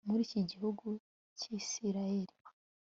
muri iki gihugu cy'isirayeli